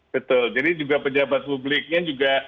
betul jadi juga pejabat publiknya juga